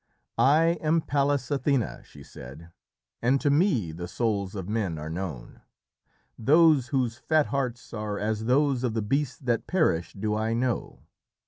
"I am Pallas Athené," she said, "and to me the souls of men are known. Those whose fat hearts are as those of the beasts that perish do I know.